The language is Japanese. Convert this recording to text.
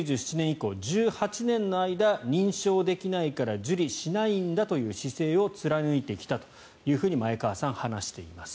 で、１８年の間認証できないから受理しないんだという姿勢を貫いてきたと前川さんは話しています。